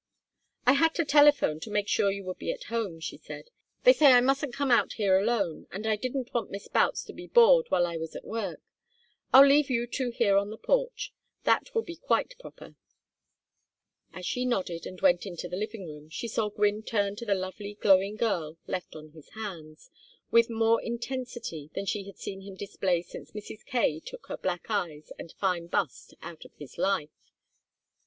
"I had to telephone to make sure you would be at home," she said. "They say I mustn't come out here alone, and I didn't want Miss Boutts to be bored while I was at work. I'll leave you two here on the porch. That will be quite proper." As she nodded and went into the living room she saw Gwynne turn to the lovely glowing girl left on his hands, with more intensity than she had seen him display since Mrs. Kaye took her black eyes and fine bust out of his life.